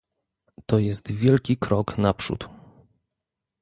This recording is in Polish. To jest wielki krok naprzód